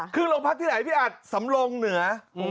คือโรงพักที่ไหนพี่อัดสำลงเหนือ